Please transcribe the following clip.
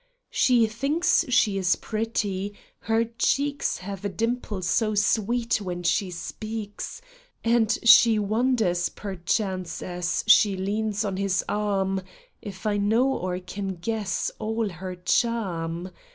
She thinks she is pretty — her cheeks Have a dimple so sweet when she speaks, And she wonders perchance as she leans on his arm If I know or can guess all her charm.